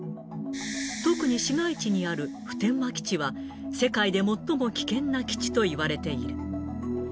特に市街地にある普天間基地は、世界で最も危険な基地といわれている。